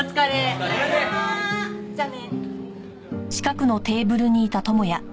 じゃあね。